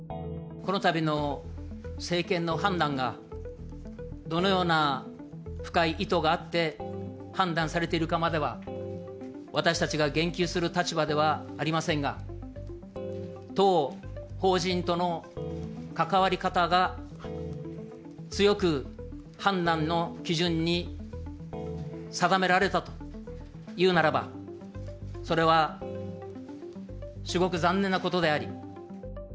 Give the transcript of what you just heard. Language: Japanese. このたびの政権の判断がどのような深い意図があって判断されているかまでは、私たちが言及する立場ではありませんが、当法人との関わり方が強く判断の基準に定められたというならば、それは至極残念なことであり。